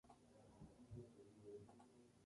A los dos años, se fue a una pequeña revista, "Focus".